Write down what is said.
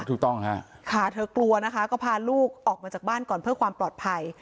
ถูกต้องค่ะเธอกลัวนะคะก็พาลูกออกมาจากบ้านก่อนเพื่อความปลอดภัย